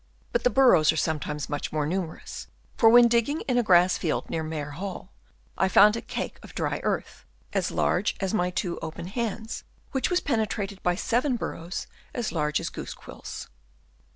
But the burrows are some times much more numerous, for when digging in a grass field near Maer Hall, I found a cake of dry earth, as large as my two open hands, which was penetrated by seven bur rows, as large as goose quills.